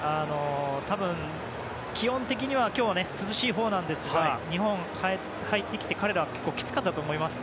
多分、気温的には今日は涼しいほうなんですが日本に入ってきて彼らは結構きつかったと思います。